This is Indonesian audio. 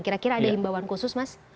kira kira ada himbawan khusus mas